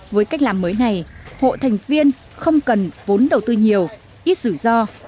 với cách làm mới này hộ thành viên không cần vốn đầu tư nhiều ít rủi ro